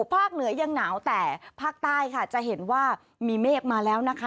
ภาคเหนือยังหนาวแต่ภาคใต้ค่ะจะเห็นว่ามีเมฆมาแล้วนะคะ